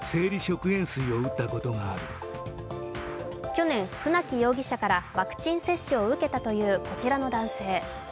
去年、船木容疑者からワクチン接種を受けたという、こちらの男性。